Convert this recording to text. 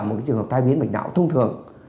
một trường hợp tai miến bệnh não thông thường